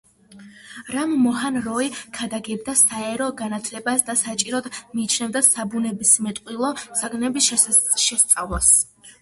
რამ მოჰან როი ქადაგებდა საერო განათლებას და საჭიროდ მიიჩნევდა საბუნებისმეტყველო საგნების შესწავლას.